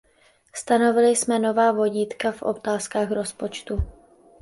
Stanovili jsme nová vodítka v otázkách rozpočtu.